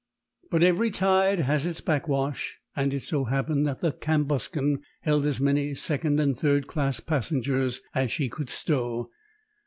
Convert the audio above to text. But every tide has its backwash; and it so happened that the Cambuscan held as many second and third class passengers as she could stow.